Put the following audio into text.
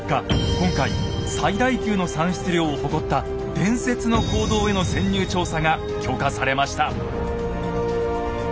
今回最大級の産出量を誇った伝説の坑道への潜入調査が許可されました。